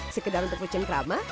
sekedar untuk peceng kerama